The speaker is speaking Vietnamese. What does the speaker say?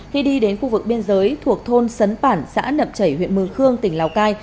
khi đi đến khu vực biên giới thuộc thôn sấn bản xã nậm chảy huyện mường khương tỉnh lào cai